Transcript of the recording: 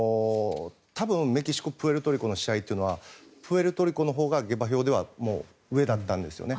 多分、メキシコプエルトリコの試合というのはプエルトリコのほうが下馬評では上だったんですね。